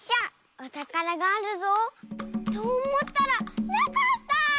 おたからがあるぞ。とおもったらなかった！